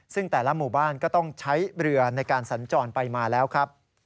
ซึ่งแต่ละหมู่บ้านก็ต้องใช้เรือในการสัญจรไปมาแล้วครับ